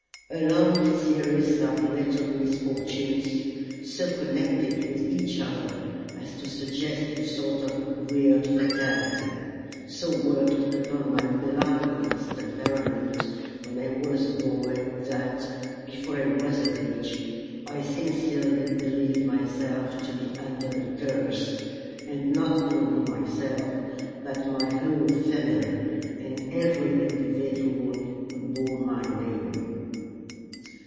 A long series of little misfortunes, so connected with each other as to suggest a sort of weird fatality, so worked upon my melancholy temperament when I was a boy that, before I was of age, I sincerely believed myself to be under a curse, and not only myself, but my whole family and every individual who bore my name.